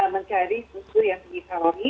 mencari susu yang di kalori